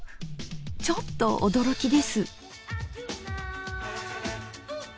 ちょっと驚きです。